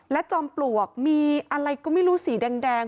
จอมปลวกมีอะไรก็ไม่รู้สีแดง